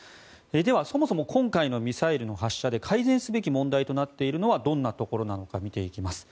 ではそもそも今回のミサイルの発射で改善すべき問題となっているのはどんなところなのか見ていきます。